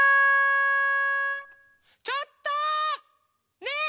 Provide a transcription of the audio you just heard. ちょっと！ねえ！